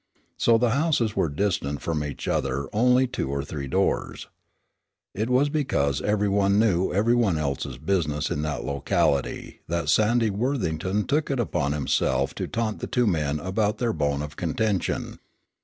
So the houses were distant from each other only two or three doors. It was because every one knew every one else's business in that locality that Sandy Worthington took it upon himself to taunt the two men about their bone of contention.